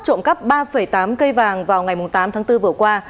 trộm cắp ba tám cây vàng vào ngày tám tháng bốn vừa qua